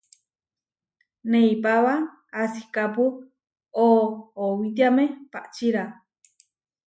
Neipába asikápu oʼowitiáme paʼčirá.